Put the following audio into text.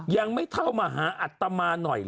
ยังไม่เท่ามาหาอัตมาหน่อย